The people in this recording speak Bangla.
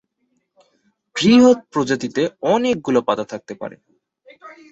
বৃহৎ প্রজাতিতে অনেকগুলো পাতা থাকতে পারে।